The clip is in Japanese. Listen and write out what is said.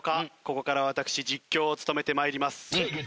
ここから私実況を務めて参ります。